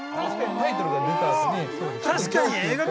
◆タイトルが出た後に。